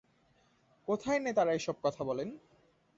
কোথায় নেতারা এসব কথা বলেন?